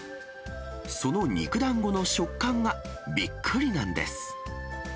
その肉団子の食感がびっくりなんです。